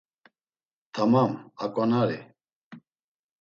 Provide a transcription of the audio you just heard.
Tamam, aǩonari.